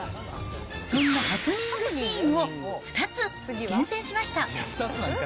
そんなハプニングシーンを２つ厳選しました。